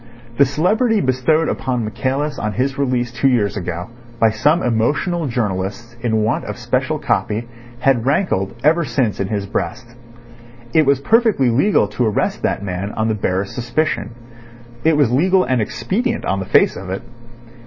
The celebrity bestowed upon Michaelis on his release two years ago by some emotional journalists in want of special copy had rankled ever since in his breast. It was perfectly legal to arrest that man on the barest suspicion. It was legal and expedient on the face of it.